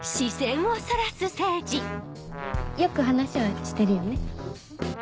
よく話はしてるよね。